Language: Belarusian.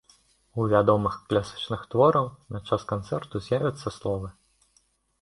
У вядомых класічных твораў на час канцэрту з'явяцца словы.